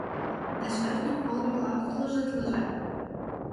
Да шӧртньӧ кол мылам служитлыже.